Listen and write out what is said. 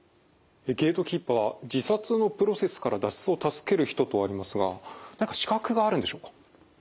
ゲートキーパーは「自殺のプロセスから脱出を助ける人」とありますが何か資格があるんでしょうか？